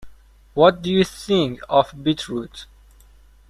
What do you think of beetroot?